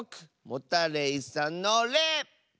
モタレイさんの「レ」！